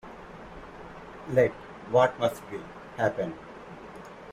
Let what must be, happen.